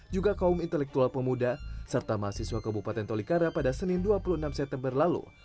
juga kaum intelektual pemuda serta mahasiswa kabupaten tolikara pada senin dua puluh enam september lalu